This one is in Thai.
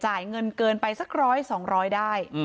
เงินเกินไปสักร้อยสองร้อยได้